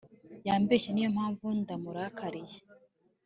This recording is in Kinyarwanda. Yambeshye Niyo mpamvu ndamurakariye